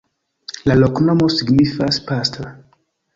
La loknomo signifas: pastra.